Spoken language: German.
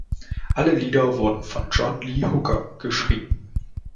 Alle Lieder wurden von John Lee Hooker geschrieben.